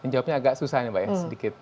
menjawabnya agak susah nih mbak ya sedikit